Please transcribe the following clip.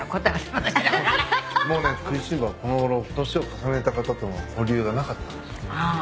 もうね『くいしん坊』はこのごろ年を重ねた方との交流がなかったんです。